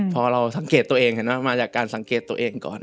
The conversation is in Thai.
พอเราสังเกตตัวเองเห็นไหมมาจากการสังเกตตัวเองก่อน